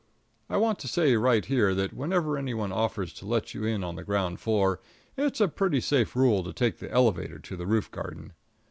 I want to say right here that whenever any one offers to let you in on the ground floor it's a pretty safe rule to take the elevator to the roof garden.